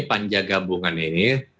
panja gabungan ini